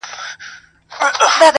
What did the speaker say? پر مین سول که قاضیان که وزیران وه،